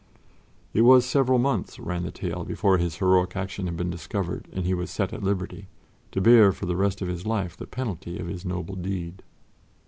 It was several months, ran the tale, before his heroic action had been discovered and he was set at liberty, to bear for the rest of his life the penalty of his noble deed.